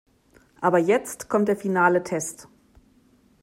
Aber jetzt kommt der finale Test.